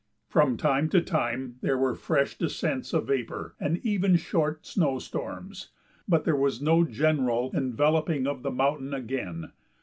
From time to time there were fresh descents of vapor, and even short snow storms, but there was no general enveloping of the mountain again.